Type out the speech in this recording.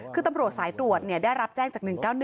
คือตำรวจสายตรวจได้รับแจ้งจาก๑๙๑